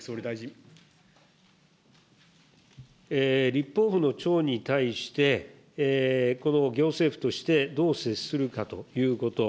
立法府の長に対して、行政府として、どう接するかということ。